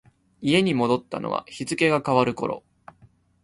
家に戻ったのは日付が変わる頃。